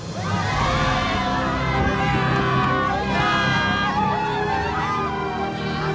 sholat istiqo itu adalah sholat untuk meminta hujan